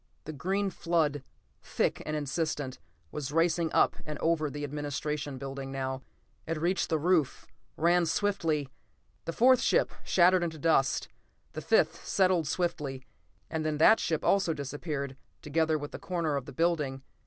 The green flood, thick and insistent, was racing up and over the administration building now. It reached the roof, ran swiftly.... The fourth ship shattered into dust. The fifth settled swiftly and then that ship also disappeared, together with a corner of the building.